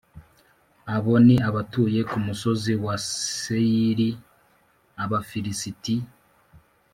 Abo ni abatuye ku musozi wa Seyiri, Abafilisiti,